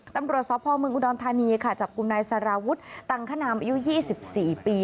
ตำรวจสพเมืองอุดรธานีค่ะจับกลุ่มนายสารวุฒิตังคณามอายุ๒๔ปี